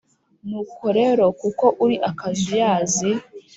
Nuko rero kuko uri akazuyazi,